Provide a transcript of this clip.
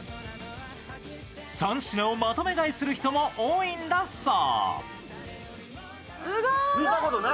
３品をまとめ買いする人も多いんだそう。